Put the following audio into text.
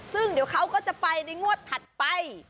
ซึ่งเดี๋ยวเขาก็จะไปในงวดถัดไป